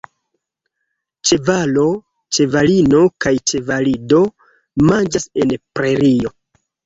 Ĉevalo, ĉevalino kaj ĉevalido manĝas en prerio.